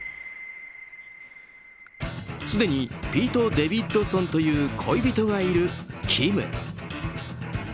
すでにピート・デヴィッドソンという恋人がいるキム。